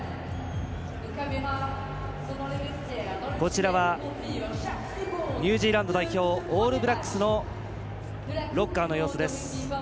こちらはニュージーランド代表オールブラックスのロッカーの様子です。